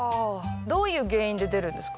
どういう原因で出るんですか？